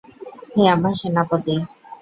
হে আমার সেনাপতি।